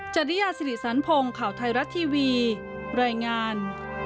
จริยาสิริสันพงศ์ข่าวไทยรัฐทีวีรายงาน